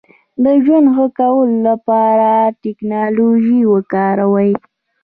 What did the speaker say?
د ژوند ښه کولو لپاره ټکنالوژي وکاروئ.